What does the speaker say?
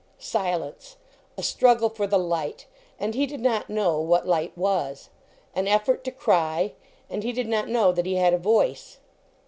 Silence. A struggle for the light. And he did not know what light was. An effort to cry. And he did not know that he had a voice.